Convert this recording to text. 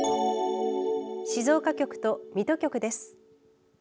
静岡局と水戸局です。